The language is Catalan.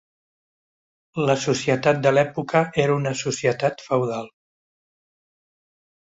La societat de l'època era una societat feudal.